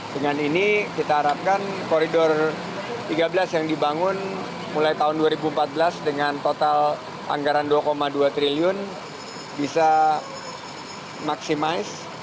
dengan ini kita harapkan koridor tiga belas yang dibangun mulai tahun dua ribu empat belas dengan total anggaran dua dua triliun bisa maksimis